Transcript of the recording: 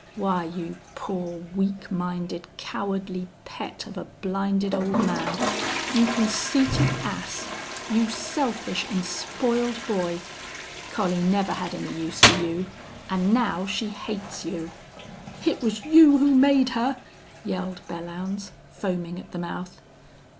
Why, you poor, weak minded, cowardly pet of a blinded old man you conceited ass you selfish an' spoiled boy!... Collie never had any use for you. An' now she hates you." "It was you who made her!" yelled Belllounds, foaming at the mouth.